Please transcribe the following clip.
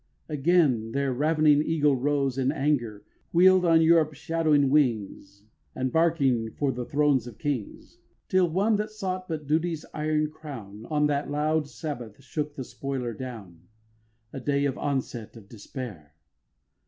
Again their ravening eagle rose In anger, wheel'd on Europe shadowing wings, And barking for the thrones of kings; Till one that sought but Duty's iron crown On that loud sabbath shook the spoiler down; A day of onsets of despair!